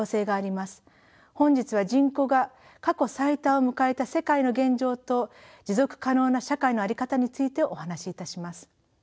本日は人口が過去最多を迎えた世界の現状と持続可能な社会の在り方についてお話しいたします。